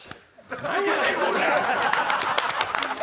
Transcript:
何やねん、これ！